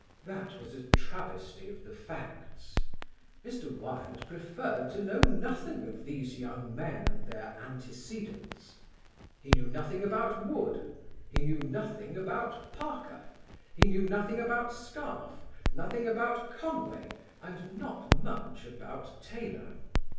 That was a travesty of the facts. Mr. Wilde preferred to know nothing of these young men and their antecedents. He knew nothing about Wood; he knew nothing about Parker; he knew nothing about Scarfe, nothing about Conway, and not much about Taylor.